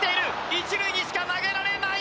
一塁にしか投げられない！